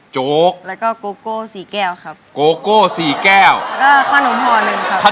โจ๊กแล้วก็โกโก้สี่แก้วครับโกโก้สี่แก้วแล้วก็ขนมห่อหนึ่งครับ